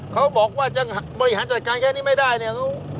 เขาบอกว่าจะบริหารจัดการแค่นี้ไม่ได้เนี่ย